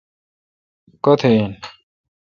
کو°تھہ ان